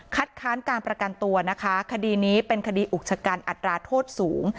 ค้านการประกันตัวนะคะคดีนี้เป็นคดีอุกชะกันอัตราโทษสูง